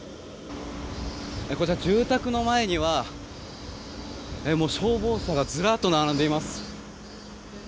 こちら住宅の前には消防車がずらっと並んでいます。